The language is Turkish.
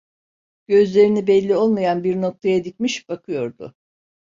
Gözlerini belli olmayan bir noktaya dikmiş, bakıyordu.